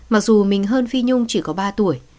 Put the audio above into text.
mặc dù mình hơn phi nhung chỉ có ba tuổi